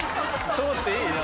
通っていいの？